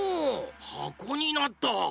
はこになった！